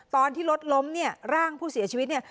ตอนที่รถล้มร่างผู้เสียชีวิต